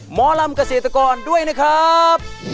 หมอลำเกษตรกรด้วยนะครับ